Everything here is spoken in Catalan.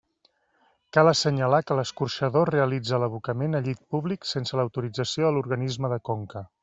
Cal assenyalar que l'escorxador realitza l'abocament a llit públic sense l'autorització de l'organisme de conca.